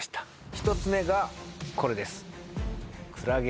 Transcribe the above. １つ目がこれです